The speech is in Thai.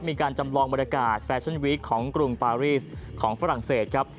มีการจำลองบรรยากาศแฟชั่นวีคของกรุงปารีสของฝรั่งเศสครับ